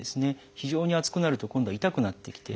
非常に厚くなると今度は痛くなってきて。